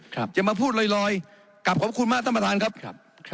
อย่ามาพูดลอยกลับขอบคุณมากท่านประธานครับ